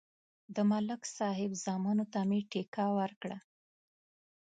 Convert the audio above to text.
د ملک صاحب زامنو ته مې ټېکه ورکړه.